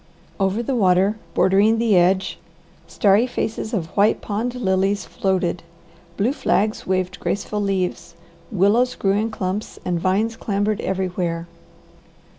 Over the water, bordering the edge, starry faces of white pond lilies floated. Blue flags waved graceful leaves, willows grew in clumps, and vines clambered everywhere.